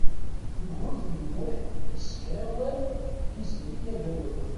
Yugurten U Muḥ isekker awal d Tiziri Tagawawt.